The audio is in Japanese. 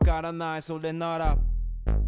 それなら。